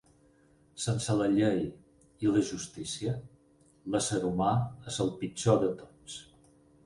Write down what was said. Sense la llei i la justícia, l'ésser humà és el pitjor de tots.